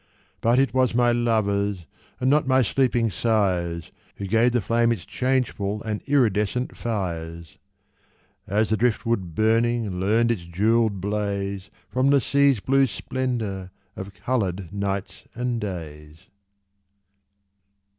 But it was my lovers, And not my sleeping sires, Who gave the flame its changeful And iridescent fires; As the driftwood burning Learned its jewelled blaze From the sea's blue splendor Of colored nights and days.